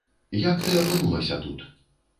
Як ты апынулася тут?